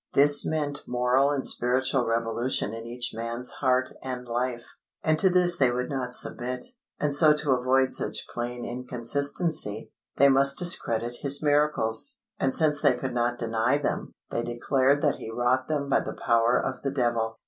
This meant moral and spiritual revolution in each man's heart and life, and to this they would not submit. And so to avoid such plain inconsistency, they must discredit His miracles; and since they could not deny them, they declared that He wrought them by the power of the Devil.